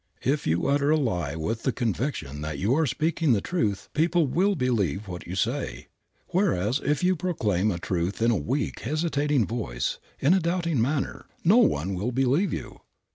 If you utter a lie with the conviction that you are speaking the truth people will believe what you say, whereas if you proclaim a truth in a weak, hesitating voice, in a doubting manner, no one will believe you.